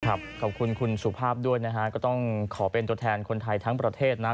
ขอบคุณคุณสุภาพด้วยนะฮะก็ต้องขอเป็นตัวแทนคนไทยทั้งประเทศนะ